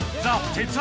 鉄腕！